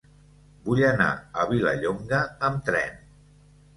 Vull anar a Vilallonga amb tren.